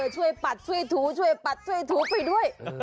ปัดช่วยถูช่วยปัดช่วยถูไปด้วย